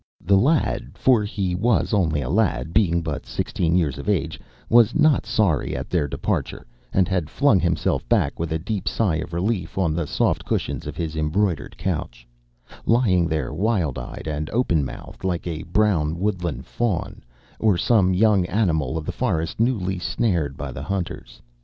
The lad—for he was only a lad, being but sixteen years of age—was not sorry at their departure, and had flung himself back with a deep sigh of relief on the soft cushions of his embroidered couch, lying there, wild eyed and open mouthed, like a brown woodland Faun, or some young animal of the forest newly snared by the hunters.